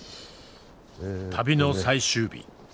旅の最終日。